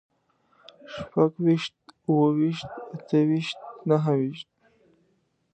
شپږويشت، اووهويشت، اتهويشت، نههويشت